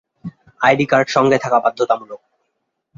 ID card সঙ্গে থাকা বাধ্যতামূলক।